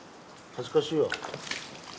恥ずかしいよ。